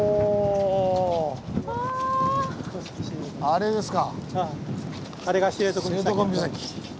あれですか。